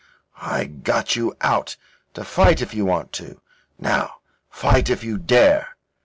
I got you out, to fight if you want to. Now, fight if you dare."